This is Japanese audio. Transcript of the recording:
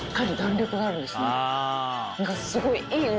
すごい。